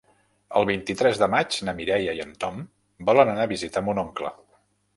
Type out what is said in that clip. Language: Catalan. El vint-i-tres de maig na Mireia i en Tom volen anar a visitar mon oncle.